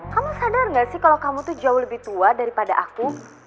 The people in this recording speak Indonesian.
kamu sadar gak sih kalau kamu tuh jauh lebih tua daripada aku